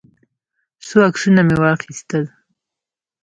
څو عکسونه مې واخیستل.